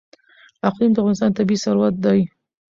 اقلیم د افغانستان طبعي ثروت دی.